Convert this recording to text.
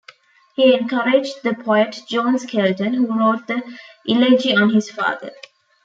He encouraged the poet John Skelton, who wrote the elegy on his father.